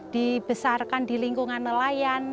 dibesarkan di lingkungan nelayan